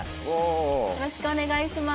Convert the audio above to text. おおよろしくお願いします